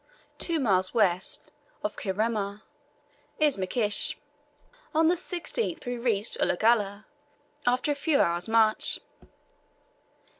Two miles west of Kiwrima is Mikiseh. On the 16th we reached Ulagalla after a few hours' march.